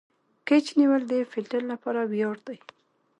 کېچ نیول د فیلډر له پاره ویاړ دئ.